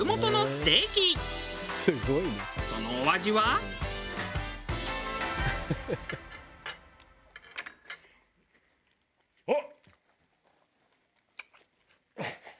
そのお味は？あっ！